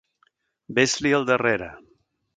Ves-li al darrere!